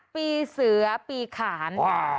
๑๕๖๕ปีเสือปีขาน